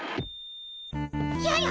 やや！